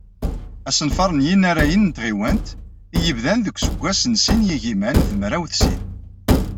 Asenfar n yinarayen n tɣiwant, i yebdan deg useggas n sin yigiman d mraw d sin.